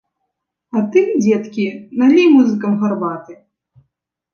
А ты, дзеткі, налі музыкам гарбаты!